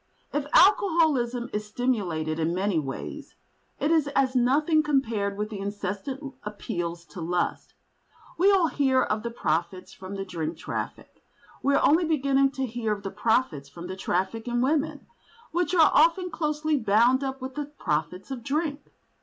If alcoholism is stimulated in many ways, it is as nothing compared with the incessant appeals to lust. We all hear of the profits from the drink traffic. We are only beginning to hear of the profits from the traffic in women, which are often closely bound up with the profits of drink.